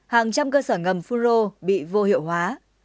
hàng trăm cơ sở ngầm phun rô bị vô hiệu hóa